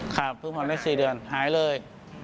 ครับเพิ่งผ่อนได้๔เดือนหายเลย